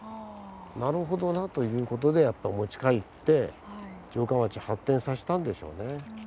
「なるほどな」という事で持ち帰って城下町発展させたんでしょうね。